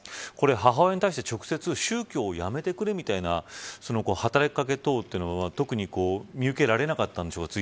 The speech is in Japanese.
母親に対して直接宗教をやめてくれみたいな働き掛け等は特に見受けられなかったんでしょうか。